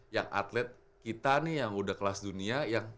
yang atlet kita nih yang udah kelas dunia